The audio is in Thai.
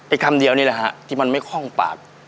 คำเดียวนี่แหละฮะที่มันไม่คล่องปาก